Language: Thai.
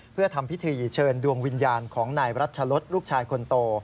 เพื่อทำพิธีเชิญดวงวิญญาณของนายรัชลศลูกชายคนโต